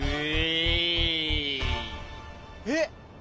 えっ？